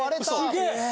すげえ！